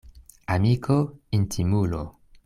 Amiko — intimulo.